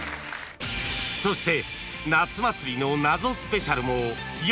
［そして］